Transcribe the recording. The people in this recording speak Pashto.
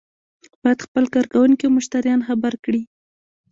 باید خپل کارکوونکي او مشتریان خبر کړي.